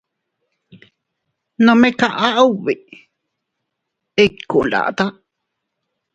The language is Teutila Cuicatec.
Nome kaʼa ubi inkuu ndataa.